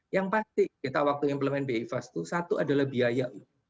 yang pasti kita waktu implemen bi fast itu satu adalah biaya